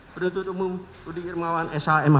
penuntut umum rudi irmawan shmh